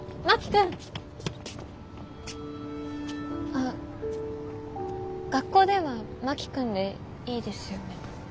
あ学校では真木君でいいですよね？